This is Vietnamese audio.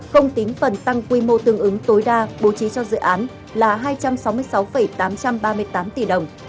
không tính phần tăng quy mô tương ứng tối đa bố trí cho dự án là hai trăm sáu mươi sáu tám trăm ba mươi tám tỷ đồng